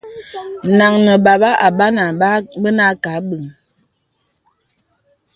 Nang nə̀ bābà Abanda bə̀ nâ kə̀ abə̀ŋ.